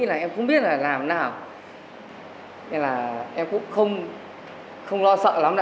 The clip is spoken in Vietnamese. nói chung là cũng nhờ xoay ngoài ba trăm linh